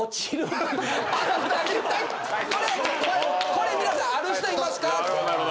これ皆さんある人いますか？